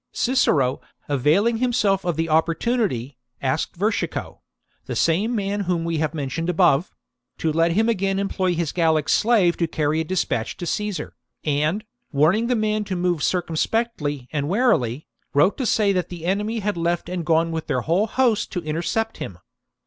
Cicero, availing himself of the opportunity, asked Vertico — the same man whom we have mentioned above — to let him again employ his Gallic slave to carry a dispatch to Caesar, and, warning the man to move circumspectly and warily, wrote to say that the enemy had left and gone with their whole host to intercept him.